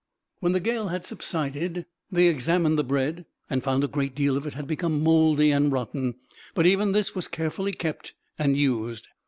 When the gale had subsided they examined the bread, and found a great deal of it had become mouldy and rotten; but even this was carefully kept and used.